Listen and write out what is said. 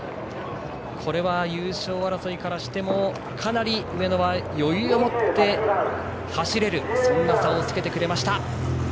これは、優勝争いとしてもかなり上野は余裕を持って走れるそんな差をつけてくれました。